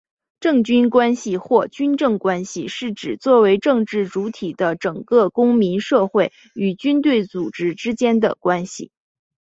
政军关系或军政关系是指作为政治主体的整个公民社会与军队组织之间的关系。